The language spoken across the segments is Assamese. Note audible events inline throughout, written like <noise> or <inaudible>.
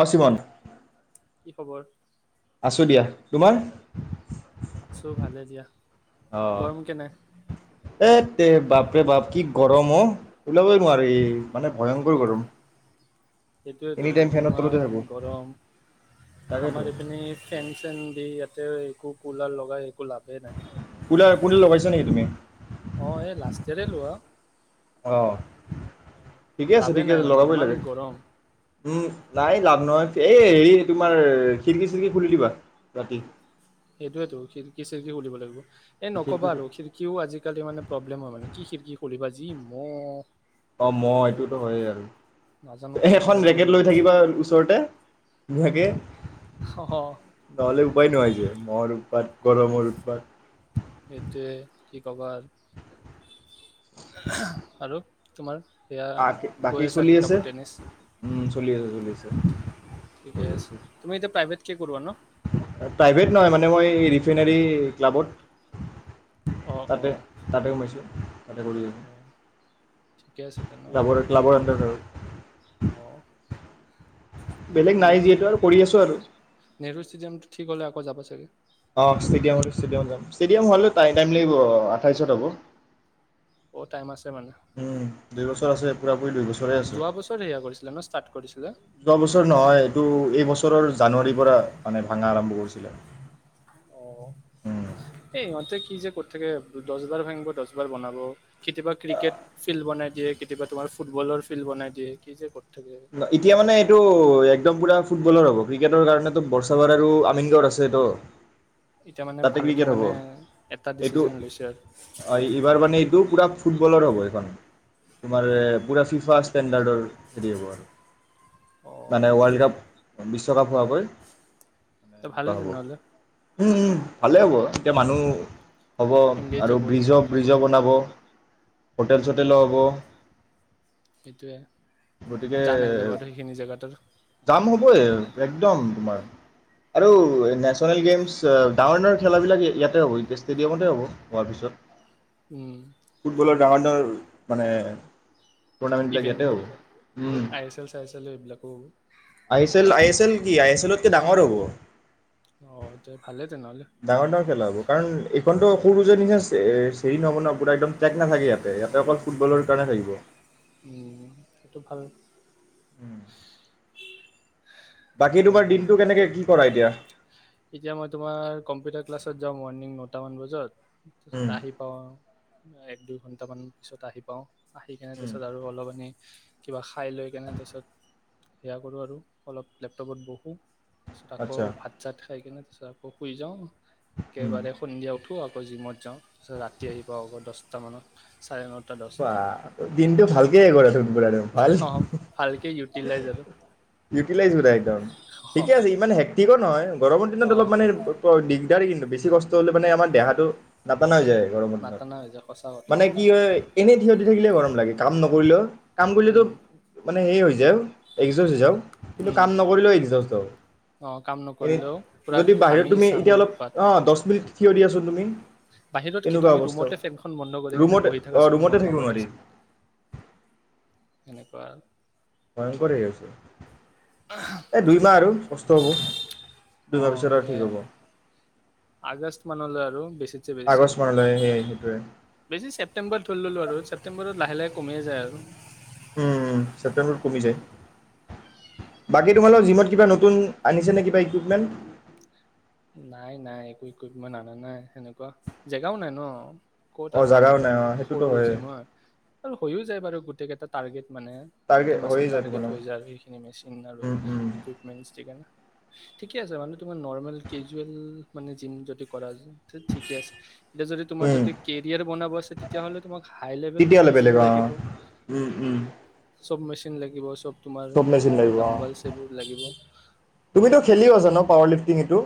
অ শিৱন কি খবৰ আছো দিয়া তোমাৰ আছো ভালে দিয়া। গৰম কেনে? অহ এ বাপ ৰে বাপ কি গৰম অ ওলাবই নোৱাৰি মানে ভয়ংকৰ গৰম সেইটোয়েতো এনি টাইম ফেনৰ তলতে ইমান থাকোঁ গৰম তাকেতো আমাৰ এইপিনি ফেন চেন দি ইয়াতে কুলাৰ লগাই একো লাভেই নাই। কুলাৰ কোনে লবাইচ ন তুমি অ এই লাষ্ট ইয়েৰে লোৱা অ ঠিকে আছে লাভে ঠিকে নাই আছে মানে লগাবই ইমান লাগে গৰম উম নাই লাভ নহয় এই হেৰি তোমাৰ খিৰিকি চিৰকি খুলি দিবা ৰাতি। সেইটোয়েতো খিৰিকি চিৰকি খুলিব লাগিব। এ খিৰিকি নকবা আৰু খিৰিকিও আজিকালি মানে প্ৰব্লেম হয় মানে কি খিৰিকি খুলিবা। যি মই অ মই এইটোতো হয় আৰু নাজানো ক'ৰ এখন পৰা যে ৰেকেট লৈ মহ থাকিবা ওচৰতে নুধুৱাকে অহ, নহ'লে উপায় নহয় যে মৰ উৎপাত গৰমৰ উৎপাত এইটোৱ কি কবা আৰু তোমাৰ সেয়া গৈ বাকী আছা চলি শিকাব আছে টেনিছ? উম চলি আছে চলি আছে <unintelligible> ঠিকে কৰি আছে আছোঁ তুমি এতিয়া প্ৰাইভেট কি কোৰবা ন প্ৰাইভেট নহয় মানে মই এই ৰিফাইনে ক্লাবত অ অ তাতে তাতে সোমাইছোঁ। তাতে অ ঠিকে আছে তেনেহ'লে ক্লাবৰ এণ্টাৰ আৰু অ বেলেগ নাই নেহৰু যিহেতু আৰু কৰি আছোঁ আৰু নেহৰু ষ্টেডিয়ামটো ঠিক হলে আৰু কবাত যাব চাগে এতিয়া হ'লেও টাইম টাই লাগিব আথাইচত হ'ব বহুত তাইম আছে মানে উম। দুই বছৰ আছে পূৰা দু বছৰে আছে যোৱা বছৰ সেয়া কৰিছিলে ন ষ্টাৰ্ট কৰিছিলে যোৱা বছৰ নহয় এইটো এই বছৰৰ। জানুৱাৰীৰ পৰা মানে ভাঙা আৰম্ভ কৰিছিলে। অ এই ইহঁতে কি যে কৰি থাকে দহ বাৰ ভাঙিব দহ বাৰ বনাব। কেতিয়াবা ক্ৰিকেট ফিল্ড বনাই। দিয়ে কেতিয়াবা তোমাৰ ফুটবলৰ ফিল্ড বনাই দিয় কি যে ক এতিয়া মানে এইটো একদম পুৰা। ফুটবলৰ হ'ব ক্ৰিকেটৰ কাৰণো বৰ্ষাপাৰ আৰু আমিনগড় আছে তো এতিয়া মানে তাতে ভালকে ক্ৰিকেট হ'ব মানে এটা এইটো ডিচিজন লৈছে আৰু এইবাৰ মানে এইটো পুৰা ফুটবলৰ হ'ব। তোমাৰ পোৰা ফিফাষ্টাৰ্ হেৰি হব আৰু মানে অ ৱৰ্ল্ড কাপ বিশ্বকাপ হোৱাকৈ। এ ভালে তেনেহ'লে। উম উম ভালে হ'ব এতিয়া মানুহ। হ'ব এংগেজ আৰু হ'ব তোমাৰ ব্ৰিজো ভাল হ'ব ব্ৰিজো বনাব হোটেল উম চোটেলো হ'ব। সেইটোৱে যে জানাই যাব আৰু সেইখিনি জেগাত আৰু যাম হ'বই একদম। তোমাৰ আৰু নেশচনেল গেমছ ডাঙৰ ডাঙৰ খেলাবিলাক ইয়াতে হ'ব এতিয়া ষ্টেডিয়ামতে হ'ব হোৱাৰ পিছত উম সেইটোৱে ফুটবলৰ ডাঙৰ ডাঙৰ মানে। টোৰ্ণামেণ্ট বিলাক ইয়াতে‌ ইভেন্টবোৰ হব। আই এছ এল চাই এছ এল এইবিলাকো I S L I S L কি আই এছ এলতকে ডাঙৰ হ'ব অ ভালে তেনেহলে ডাঙৰ ডাঙৰ খেলা হ'ব কাৰণ এইখনতো সৰু যে নিচিনা চেৰি নহব ন পুৰা একম ট্ৰেক নাথাকে ইয়াতে ইয়াতে অকল ফুটবলৰ কাৰণে থাকিব। উম সেইটো ভাল। উম। ভাল ভাল দিনটো কেনেকে কি কৰা এতিয়া এতিয়া মই তোমাৰ কম্পিউটাৰ ক্লাছত যাওঁ মৰ্ণিং নটামান বজাত। উম আহি পাওঁ আৰু এক দুই ঘণ্টা কেইটামান পিছত আহি পাওঁ। আহি কিনে তাৰপিছত আৰু অলপ মানি কিবা খাই লৈ কেনে তাৰপিছত সেয়া কৰোঁ আৰু অলপ। লেপটপত বহু। তাৰপিছত আকৌ আচ্ছা ভাত চাত খাই কিনে। আচ্ছা শুই যাওঁ। উম একেইবাৰে সন্ধিয়া উঠো। আকৌ জিমত যাওঁ তাৰপিছত ৰাতি আহি পাওঁ আকৌ দহটা মানত চাৰে নটা বা দহটা দিনটোও ভাল কি <unintelligible> অ ভালকে ইউটিলাইজ আৰু ইউটিলাইজ মানে একদম অ ঠিকে আছে ইমান কি ক নহয় গৰমৰ দিনত অ অলপ মানে ডি ইতিয়াৰে বেছি কষ্ট হ'লে মানে আমাৰ দেহাটো নাটানা হৈ যায় গৰমৰ দিনত নাটানা হৈ যায় সঁচা কথা মানে কি হয় থিয়দি থাকিলে গৰম লাগে কাম নকৰিলেও কাম কৰিলেতো উম মানে হে হৈ যায় আৰু একজৰ্জ হৈ যায় কিন্তু উম কাম নকৰিলেও আকজস্ত হও, অ কাম নকৰিলেও পুৰা যদি বাহিৰত ঘামি তুমি চামি এতিয়া অলপ উৎপাত অ দহ মিনিট থিয় দিয়া আছো তুমি? বাহিৰত কি তেনেকুৱা তুমি অৱস্থা ৰুমতে ফেনখন বন্ধ কৰি কেনে ৰুমতে বহি থাকা অঁ ছোন ৰুমতে থাকিব নোৱাৰি তেনেকুৱা ভয়ংকৰে হৈ আছে। এই দুইমাহ আৰু কষ্ট হ'ব, অ দুইমাহ পিছত আৰু ঠিক সেয়ে হ'ব। আগষ্ট মানলৈ আৰু বেছিতছে বেছি, আগষ্ট মানলৈ সেই সেইটোৱে বেছি ছেপ্টেম্বৰত ধৰি ললো আৰু ছেপ্টেম্বৰত লাহে-লাহে কমেই যায় আৰু। উম উম ছেপ্টেম্বৰত কমি যায়। বাকী তোমালোকৰ জিমত কিবা নতুনআনিছে নে কিবা ইকুইপমেণ্ট? নাইনাই একো ইকুইপমেণ্ট অনা নাই সেনেকুৱা, জেগাও নাই ন। ক'ত অঁ আৰু জাগাও আনিব নাই আৰু, অঁ সেইটোতো সৰু হয়েই জিম হয় আৰু হৈয়ো যায় বাৰু গোটেই কেইটাত টাৰ্গেট মানে টাৰ্গেট গোটেই মাচাল হৈয়ে যায় টাৰ্গেট তোমালোকৰ হৈ যায় আৰু সেইখিনি মেচিন আৰু উম উম ইকুইপমেণ্ট দি কিনে। ঠিকে আছে মানে তোমাৰ নৰ্মেল কেজুৱেল মানে জিম যদি কৰা যায় ঠিকে আছে, এয়া যদি তোমাৰ উম যদি কেৰিয়াৰ বনাব আছে, তেতিয়াহলে তোমাক, হাই লেভেল তোমাক তেতিয়াহ'লে জিম বেলেগ অ লাগিব। উম উম চব মেচিন লাগিব চব তোমাৰ চব মেচিন লাগিব অ, ডাম্বলছ এইবোৰ লাগিব তুমিতো খেলিও আছা ন পাৱাৰ লিফটিং এইটো?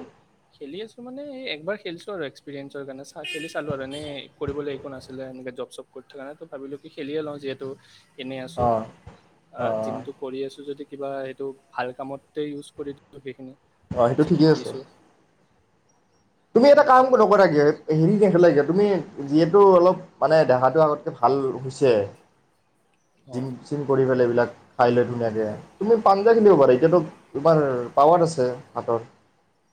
খেলি আছো মানে এ একবাৰ খেলিছো আৰু এক্সপিৰিয়েঞ্চৰ কাৰণে, চা খেলি চালো আৰু এনে কৰিবলৈ একো নাছিলে এনেকে জব চব কৰি থকা নাই ত ভাবিলো কি খেলিয়ে ল যিহেতু এনেই আছো অ অ অ জিমটো কৰি আছো যদি কিবা সেইটো ভাল কামতে ইউজ কৰি দিছোঁ সেইখিনি অ সেইটো যি ঠিকেই আছে শিকিছো তুমি এটা সেনেকুৱা কাম আৰু নকৰা কিয় হেৰি নেখেলাগা তুমি যিহেতু অলপ, মানে দেহাটো আগতকৈ ভাল হৈছে। অ জিম চিম কৰি পেলাই এইবিলাক। খাই লৈ ধুনীয়াকে। তুমি পাঞ্জা খেলিব পাৰা এতিয়াাতো তোমাৰ পাৱাৰ আছে হাতৰ।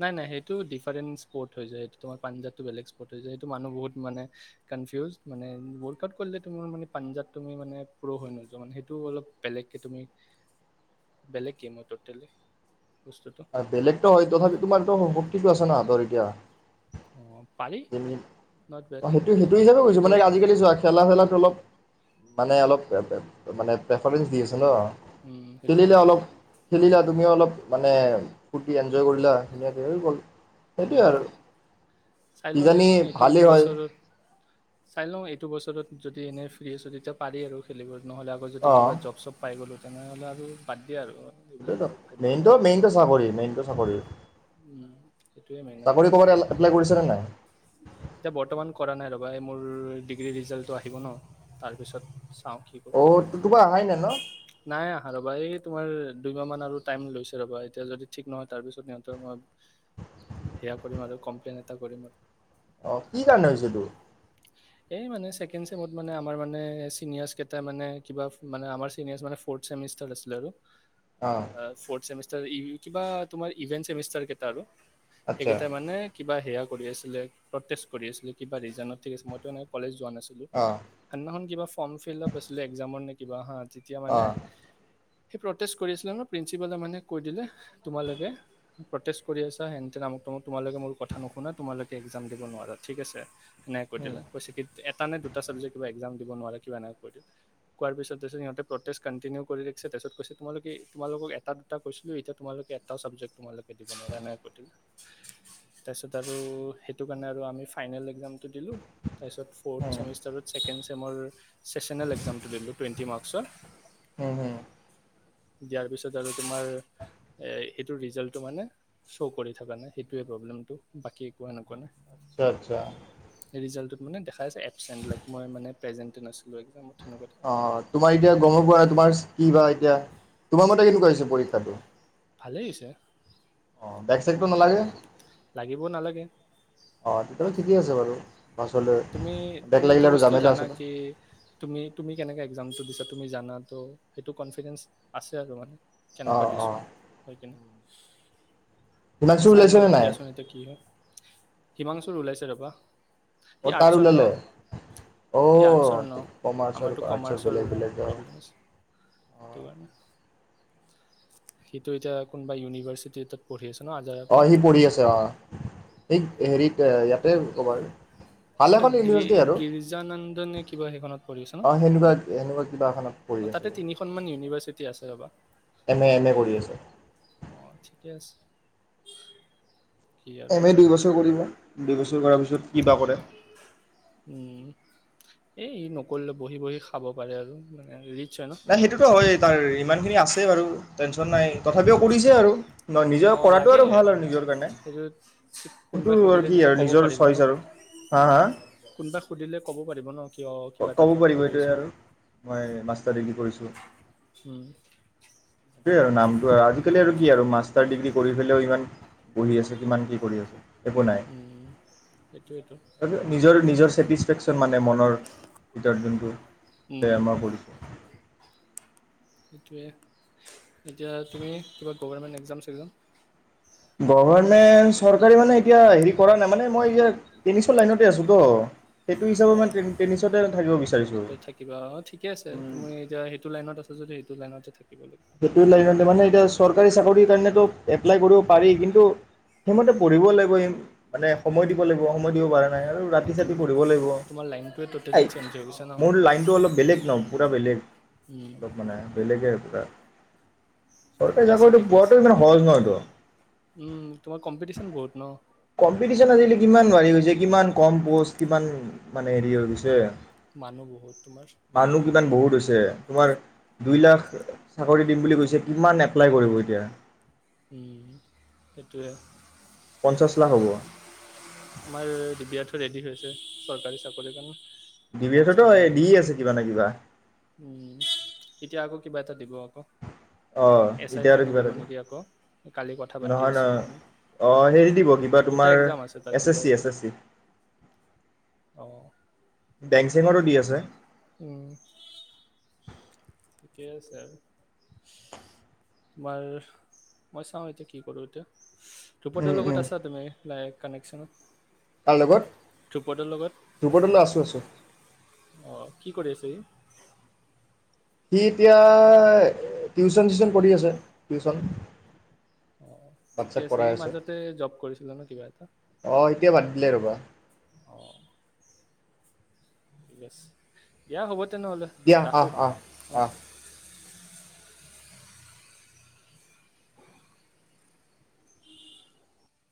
নাই-নাই সেইটো ডিফাৰেণ্ট স্পট হৈ যায়, সেইটো তোমাৰ পাঞ্জাৱটো বেলেগ স্পট হৈ যায়। সেইটো মানুহ বহুত মানে কনফিউ মানে ৱৰ্ক আউট কৰিলে তোমাৰ মানে পাঞ্জ তমি মানে প্ৰ হৈ নোযোৱা মান সেইটো অলপ বেলেগকে তুমি বেলেক সমে হৈ ততালী আৰু বেলেগ টো হয় তথাপি তোমাৰতো <unintelligible> অ পাৰি উম ', নট বেড সেইটো -সেইটো হিচাপে কৈছো কিন্তু মানে আজিকালি যোৱা খেলা খেলাটো অলপ মানে অলপ মানে প্ৰেফাৰেঞ্চ দি আছ ন উম সেইটো খেলিলে হয় অলপ খেলিলা তুমিও অলপ মানে? ফূ্তি এনজয় কৰিলা ধুনীয়াকে হৈ গ'ল। সেইটোৱে আৰু উম', চাই লওঁ কিজানি দিয়াচোন এইটো ভালেই হয় বছৰত চাই লওঁ এইটো বছৰত যদি এনেই ফ্ৰী আছো তেতিয়া পাৰি আৰু খেলিবলৈ নহ'লে আগ অ য কিবাব চব পাই গ'লোঁ তেনেহ'লে আৰু ব সটোয় মেইনতটো মেইনতটো চাকৰি -মেইনতটো চাকৰি উম', সেইটোয়ে মেইন আৰু চাকৰি ক'ৰবাত এপ্লাই কৰিছানে নাই এতিয়া বৰ্তমান কৰা নাই ৰবা। মোৰ ডিগ্ৰী ৰিজাল্টটো আহিব ন তাৰপিছত চাওঁ কি কৰ অ তোমাৰ অহাই নাই ন নাই আহাৰবা তোমাৰ দুইমাহ মান আৰু টাইম লৈছে ৰবা এতিয়া যদি ঠিক নহয় তাৰ পিছত সহঁ মই সেয়া কৰিম আৰু কমপ্লেইন এটা কৰিম আৰু অ কি কাৰণে হৈছ তোৰ? এই মানে ছেকেণ্ড ছেমত মানে আমাৰ মানে সেনীয়ৰ্চ কেটাই মানে কিবা মানে আমাৰ সেনিয়ৰ মানে ফৌৰ ছেমিষ্টাৰ আছিলে আৰু। অ ফৌৰ্থ ছেমিষ্টাৰ কিবা তোমাৰ ইভেন্ট চেমিষ্টাৰ কেইটা আৰু আচ্ছা সেইিকেইট মানে? কিবা সেয়া কৰি আছিলে প্ৰটেষ্ট কৰি আছিলে কিবা ৰিজনত ঠিক আছে মই নাই কলেজ যোৱা নাই? চিলো অ সেইদিনাখন কিবা ফৰ্ম ফিলাপ আছিল এক্সামৰ নে কিবা হ? যেতিয়া অ মানে? সি প্ৰতেষ্ট কৰি আছিলে ন প্ৰিন্সিপাল মানে কৈ দিলে তোমালোকে প্ৰতেষ্ট কৰি আছা হেন তেন তোমালোকে মোৰ কথা নুশুনা তোমালোক এক্সাম দিব নোৱাৰা ঠিক আছে। নাই ক উম দিলা? এটা নে দুটা চাবজেক্ট কিবা এক্সাম দিব নোৱাৰা কিবা এনেক কৰি দিল কোৱাৰ পিছত তাৰপিত সিহঁতে প্ৰটেষ্ট কণ্টিনিও কৰি ৰাখিছে তাৰিছত কৈছে তোমেলোকে তোমালোকক এটা দুটা কৈছিলো এতিয়া তোমালোকে এটাও ছাবজেক্ট তোমালোকে দিব নোৱাৰা এনেকৈ কৰি দিলা তাৰপিছত আৰু সেইটো কাৰণে আৰু আমি ফাইনেল এক্সামটো দিলো। তাৰ পিছত ফৰ্ট উম ছেমিষ্টাৰত ছেকেণ্ড তেওঁ ম ৰৈ চেশ্যনেল এক্সামটো দিলোঁ টুৱেন্টি মাৰ্ক আচোন <unintelligible> হম ', হম', দিয়াৰ পিছত আৰু তোমাৰ এ', এইটো ৰিজাল্টটো মানে শ্ব' কৰি থকা নাই সেইটোৱে প্ৰব্লেমটো বাকী একোৱা এনেকুৱা নাই। আচ্ছা', আচ্ছা', ৰিজাল্টো মানে দেখায় চাগে এবচেণ্ট লাইক মই মানে প্ৰেজেন্টত আছো অ তোমাৰ এতিয়া গমো পোৱা তোমাৰ কি বা এতিয়া তোমাৰ মতে কেনেকুৱা হৈছে পৰীক্ষাটো ভালেই হৈছে অ বেক চেক তো নালাগে লাগিব নালাগে অ তেতিয়াহলে ঠিকে আছে বাৰু বাছলৈ তুমি বেক তুমি লাগিলে এইটো আৰু বস্তু জামেলা জানা আছে ন। কি তুমি তুমি কেনেকে এক্সামটো দিছা তুমি জানাতো সেইটো কনফিডেঞ্চ আছে আৰু মানে কেনেকুৱা অঁ অঁ দিছোঁ হয় কিনে হিমাংশুৰ চাই লওঁ ওলাইছেনে নাই তেতিয়াচোন এতিয়া কি হয় হিমাংশুৰ ওলাইছে ৰবা অঁ সি তাৰ আৰ্টছৰ ন ওলালে অঁ সি আৰ্টছৰ ন কমাৰ্চ আৰু আমাৰতো আৰ্টছৰ কমাৰ্চৰ বেলেগ বেলেগ অঁ প্ৰব্লেম আছে সেইটো কাৰণে সিটো এতিয়া কোনোবা ইউনিভাৰ্চিটিত পঢ়ি আছে ন আজাৰা অ পিনে সি পঢ়ি আছে অ ঠিক হেৰিত ইয়াতে ক'বাত গ গি গিৰ্জানন্দন নে কিবা সেইখনত পঢ়ি আছে ন অঁ সেনেকুৱা সেনেকুৱা কিবা এখনত পঢ়ি অ আছে তাতে তিনিখন মান ইউনিভাৰ্চিটি আছে ৰবা এম এ এম এ কৰি আছে অ ঠিকে আছে কি আৰু এম এ দুই বছৰ কৰিব দুই বছৰ কৰাৰ পিছত কিবা কৰে এ ই নকৰিলে বহি বহি খাব পাৰে আৰু মানে হেৰি নাই সেইটোতো হয়েই তাৰ ইমান খিনি আছে বাৰু টেনচন নাই তথাপিও কৰিছে আৰু ন নিজৰ অ কৰাটো আৰু লাগে ভাল আৰু নিজৰ কাৰণে সেইটো সেইটো কোনোবাই আৰু সুধিলে কি তেতিয়া আৰু ক'ব নিজৰ পাৰিব ন চইচ আৰু হা হা কোনবাই সুধিলে ক'ব পাৰিব ন কিয় কিবা এটা ক'ব জব পাৰিব কৰি এইটোৱে আছো আৰু বুলি মই মাষ্টাৰ ডিগ্ৰী কৰিছো এক উম টোৱেই নামটো আজি কালি আৰু কি আৰু মাষ্টাৰ ডিগ্ৰী কৰি পেলাইও ইমান বহি আছে কিমান কি কৰি আছে একো নাই উম সেইটোৱেতো নিজৰ নিজৰ ছেটিছফেকশচন মানে মনৰ কিতাপ যোনটো উম বেয়ামাৰ পৰিছে সেইটোৱে এতিয়া তুমি কিবা গভাৰ্মেণ্ট এক্জামছ চেক্জাম গভমেন্ট চৰকাৰে মানে এতিয়া হেৰি কৰা নাই মানে মই এয়াত টেনিচৰ লাইনতে আছোতো অ সেই থাকিবা অ ঠিকে আছে তুমি এতিয়া সেইটো লাইনত আছা। যদি সেইটো লাইনতে থাকে সেইটো লাইনত মানে মই এতিয়া চৰকাৰী চাকৰিৰ কাৰণেতো এপ্লাই কৰিব পাৰি কিন্তু সেইমতে পঢ়িব লাগিব মানে সময় দিব লাগিব সময় দিব পৰা নাই। অ' ৰাতি তুমি চাতি পঢ়িব লাগিব তোমাৰ লাইনটোৱে ট'টেলি চেঞ্জ হৈ গৈছে ন <unintelligible> মোৰ লাইনটো অলপ বেলেগ ন। পূৰা বেলেগ উম অলপ মানে বেলেগে চৰকাৰী ঠিকে আছে চাকৰিটো ঠিকে পোৱাটো আছে ইমান সহজ নহয়তো উম তোমাৰ কম্পিটিচন বহুত ন। কম্পিটিশন আজিকালি কিমান বাঢ়ি গৈছে কিমান কম প'ষ্ট কিমান মানে হেৰি হৈ গৈছে। মানুহ বহুত তোমাৰ ম তোমাৰ দুই লাখ চাকৰি দিম বুলি কৈছে কিমান এপ্লাই কৰিব এতিয়া। সেইটোৱে। পঞ্চাছ লাখ হ'ব। তোমাৰ দিব্যাৰ্থ ৰেডি হৈছে চৰকাৰী চাকৰিৰ কাৰণে। ডি বি এক্জাম এডতো চেগজাম দি দিয়ে চোন আছে কিবা নে কিবা উম এতিয়া আকৌ কিবা এটা দিব আকৌ। এছ আহ আইৰ এতিয়া আৰু কাৰণে কিবা দিব এটা নেকি আকৌ কালি কথা দিব। পাতি নহয় নহয় আছিলোঁ আমি অ হেৰি দিব কিবা দুটা তোমাৰ এক্সাম আছে তাৰ এছ এছ কিবা চি এছ এতিয়া এছ চি, অ' বেংক-চেংকতো দি আছে। উ ঠিকেই আছে, আৰু তোমাৰ মই চাওঁ এতিয়া কি কৰো এতিয়া। ধূপদৰ উম, লগত আছা তুমি? লাইন কানেকশচনত তাৰ লগত, ধ্ৰুপদলৈ আছোঁ আছোঁ। আহ কি কৰি আছে ই সি এতিয়া টিউচন চিউচন কৰি আছে। টিউচন অ', ঠিকে বাচ্ছাক আছে পঢ়াই সি মাজতে জব কৰিছিলে ন কিবা এটা অ', এতিয়া বাদ দিলে ৰ'বা অ'। দিয়া হ'ব। তেনেহ'লে দিয়া আহ, ৰাখোঁ আহ, অঁ আহ।